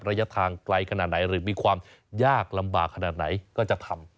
ระยะทางไกลขนาดไหนหรือมีความยากลำบากขนาดไหนก็จะทำ